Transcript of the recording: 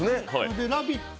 「ラヴィット！」